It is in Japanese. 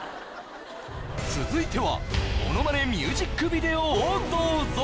続いてはものまねミュージックビデオをどうぞ！